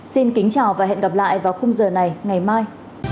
xin kính chào và hẹn gặp lại vào khung giờ này ngày mai